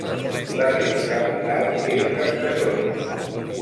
La seva capital és Carcassona.